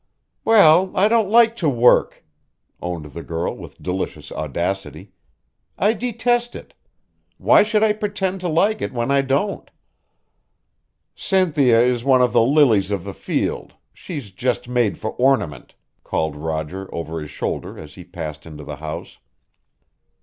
"Well, I don't like to work," owned the girl with delicious audacity. "I detest it. Why should I pretend to like it when I don't?" "Cynthia is one of the lilies of the field; she's just made for ornament," called Roger over his shoulder as he passed into the house.